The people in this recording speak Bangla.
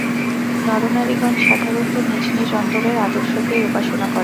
নরনারীগণ সাধারণত নিজ নিজ অন্তরের আদর্শকেই উপাসনা করে।